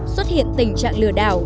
xuất hiện tình trạng lừa đảo